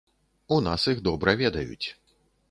У нас іх добра ведаюць.